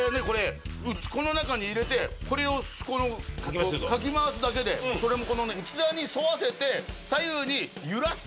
この中に入れてこれをかき回すだけでそれもこの器に沿わせて左右に揺らすだけで大丈夫。